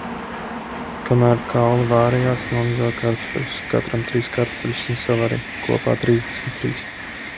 Kamēr kauli vārījās, nomizoju kartupeļus, katram trīs kartupeļus un sev arī, kopā trīsdesmit trīs.